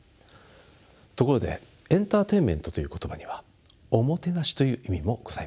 ところでエンターテインメントという言葉にはおもてなしという意味もございます。